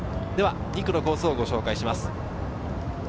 ２区のコースをご紹介します。